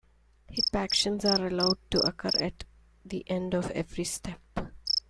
Hip actions are allowed to occur at the end of every step.